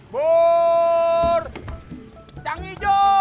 pur cang ijo